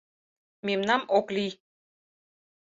Мемнам ок лий